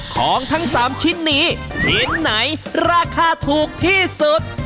ของทั้ง๓ชิ้นนี้ชิ้นไหนราคาถูกที่สุด